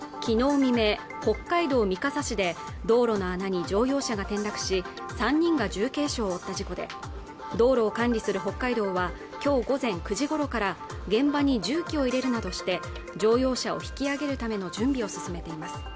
未明北海道三笠市で道路の穴に乗用車が転落し３人が重軽傷を負った事故で道路を管理する北海道はきょう午前９時ごろから現場に重機を入れるなどして乗用車を引き上げるための準備を進めています